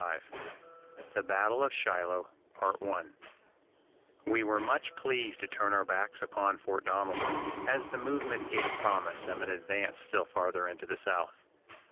IV THE BATTLE OF SHILOH We were much pleased to turn our backs upon Fort Donelson, as the movement gave promise of an advance still farther into the South.